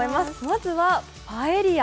まずはパエリア。